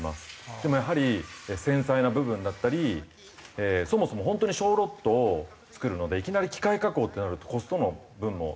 でもやはり繊細な部分だったりそもそも本当に小ロットを作るのでいきなり機械加工ってなるとコストの分も全然違う。